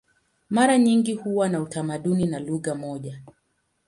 Mara nyingi huwa na utamaduni na lugha moja.